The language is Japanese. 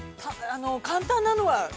◆簡単なのは。